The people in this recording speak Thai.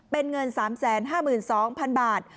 เป็นเงิน๓๕๒๐๐๐บาท